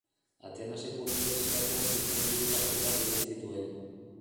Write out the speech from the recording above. Atenaseko Unibertsitatean zuzenbide ikasketak egin zituen.